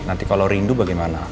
nanti kalo rindu bagaimana